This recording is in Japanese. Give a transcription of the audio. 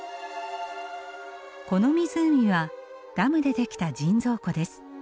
この湖はダムで出来た人造湖です。